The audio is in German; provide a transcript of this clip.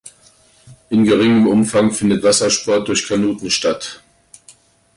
Im geringem Umfang findet Wassersport durch Kanuten statt.